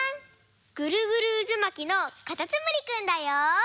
ぐるぐるうずまきのかたつむりくんだよ！